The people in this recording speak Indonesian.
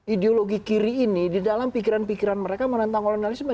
ideologi kiri ini di dalam pikiran pikiran mereka menentang kolonialisme